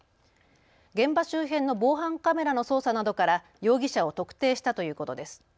現場周辺の防犯カメラの捜査などから容疑者を特定したということです。